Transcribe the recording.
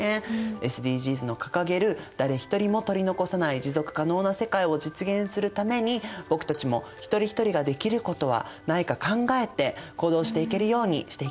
ＳＤＧｓの掲げる誰一人も取り残さない持続可能な世界を実現するために僕たちも一人一人ができることはないか考えて行動していけるようにしていきましょうね。